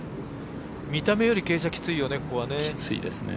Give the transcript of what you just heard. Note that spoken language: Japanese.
見た目より傾斜きついよね